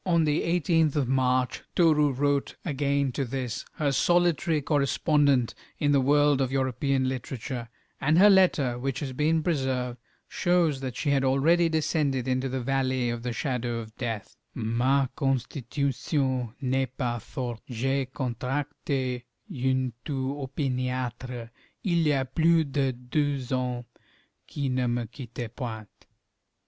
On the 18th of March Toru wrote again to this, her solitary correspondent in the world of European literature, and her letter, which has been preserved, shows that she had already descended into the valley of the shadow of death: Ma constitution n'est pas forte; j'ai contracté une toux opiniâtre, il y a plus de deux ans, qui ne me quitte point.